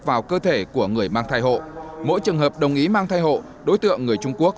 vào cơ thể của người mang thai hộ mỗi trường hợp đồng ý mang thai hộ đối tượng người trung quốc